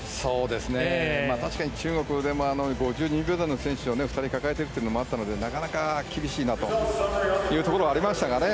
確かに中国でも５２秒台の選手を２人抱えているというのもあったのでなかなか厳しいなというところはありましたかね。